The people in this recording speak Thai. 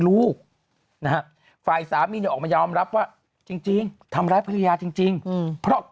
ลูกนะฮะฝ่ายสามีเนี่ยออกมายอมรับว่าจริงทำร้ายภรรยาจริงเพราะ